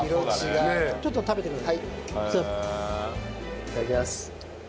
いただきます。